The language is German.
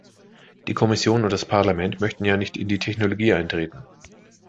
Die Kommission und das Parlament möchten ja nicht in die Technologie eintreten.